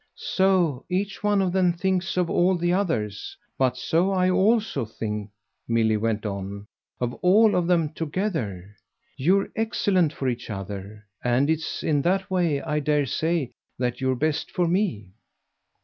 "So each one of them thinks of all the others. But so I also think," Milly went on, "of all of them together. You're excellent for each other. And it's in that way, I dare say, that you're best for me."